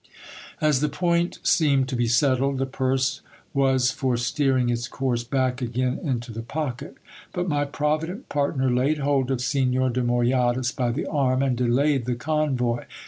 As the point seemed to be settled, the purse was for steering its course back again into the pocket ; but my provident partner laid hold of Signor de Moyadas by the arm, and delayed the convoy.